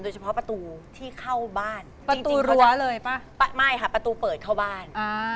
เฉพาะประตูที่เข้าบ้านประตูรั้วเลยป่ะไม่ค่ะประตูเปิดเข้าบ้าน